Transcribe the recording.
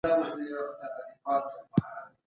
کله به عامه شتمني په سمه توګه د خلګو لپاره ولګول سي؟